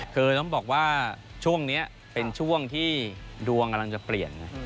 คือต้องบอกว่าช่วงนี้เป็นช่วงที่ดวงกำลังจะเปลี่ยน